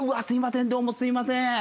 すいません。